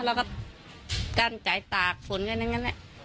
แล้วก็กั้นจ่ายตากฝนกันอย่างนั้นแหละ